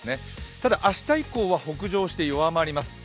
ただ明日以降は北上して弱まります。